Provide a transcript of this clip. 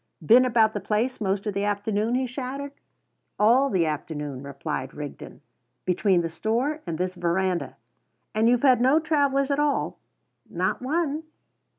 "Been about the place most of the afternoon?" he shouted. "All the afternoon," replied Rigden; "between the store and this verandah." "And you've had no travellers at all?" "Not one."